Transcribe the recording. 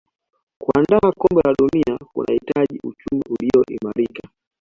kuandaa kombe la dunia kunahitaji uchumi uliyoimarika